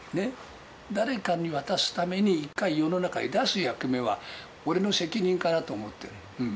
誰かに渡すために、一回、世の中に出す役目は俺の責任かなと思ってるの。